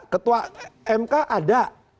ketua mk ada